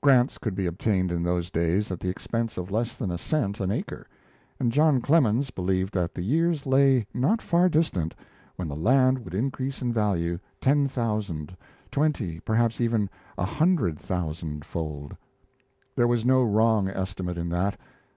Grants could be obtained in those days at the expense of less than a cent an acre, and John Clemens believed that the years lay not far distant when the land would increase in value ten thousand, twenty, perhaps even a hundred thousandfold. There was no wrong estimate in that.